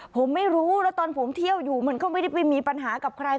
ผมไม่รู้แล้วตอนผมเที่ยวอยู่มันก็ไม่ได้ไปมีปัญหากับใคร